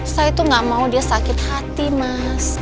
saya itu gak mau dia sakit hati mas